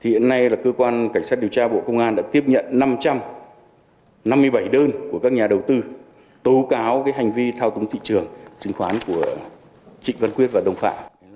thì hiện nay là cơ quan cảnh sát điều tra bộ công an đã tiếp nhận năm trăm năm mươi bảy đơn của các nhà đầu tư tố cáo cái hành vi thao túng thị trường chứng khoán của trịnh văn quyết và đồng phạm